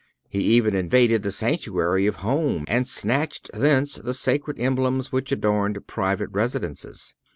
He even invaded the sanctuary of home, and snatched thence the sacred emblems which adorned private residences.